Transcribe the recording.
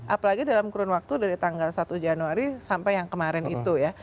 apalagi dalam kurun waktu dari tanggal satu januari sampai yang kemarin itu ya